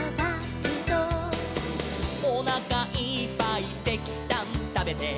「」「おなかいっぱいせきたんたべて」